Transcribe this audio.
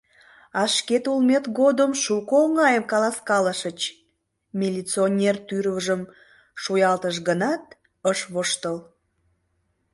— А шкет улмет годым шуко оҥайым каласкалышыч, — милиционер тӱрвыжым шуялтыш гынат, ыш воштыл.